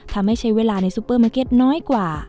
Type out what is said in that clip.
ทำให้ใช้เวลาในซูเปอร์มาร์เก็ตน้อยกว่า